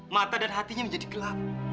mata dan hatinya menjadi gelap